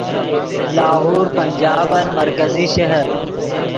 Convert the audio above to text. لاہور پنجابن مرکزی شہر